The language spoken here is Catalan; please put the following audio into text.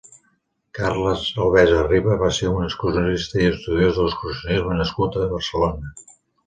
Carles Albesa Riba va ser un excursionista i estudiós de l'excursionisme nascut a Barcelona.